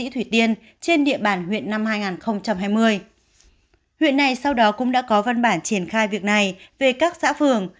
trên địa bản huyện năm hai nghìn hai mươi huyện này sau đó cũng đã có văn bản triển khai việc này về các xã phường